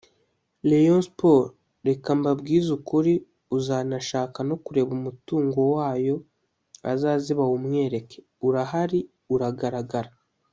Rayon Sports…reka mbabwize ukuri uzanashaka no kureba umutungo wayo azaze bawumwereke… urahari uragaragara